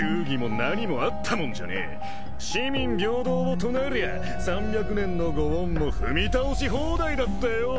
四民平等を唱えりゃ三百年のご恩も踏み倒し放題だってよぉ！